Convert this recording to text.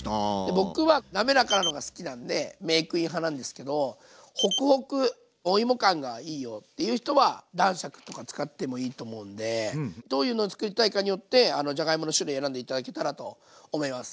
僕はなめらかなのが好きなんでメークイン派なんですけどホクホクお芋感がいいよっていう人は男爵とか使ってもいいと思うんでどういうのを作りたいかによってじゃがいもの種類選んで頂けたらと思います。